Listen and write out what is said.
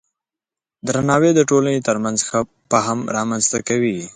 درناوی د ټولنې ترمنځ ښه فهم رامنځته کوي.